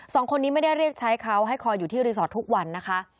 สองคนนี้ไม่ได้เรียกใช้เขาให้คอยอยู่ที่รีสอร์ททุกวันนะคะ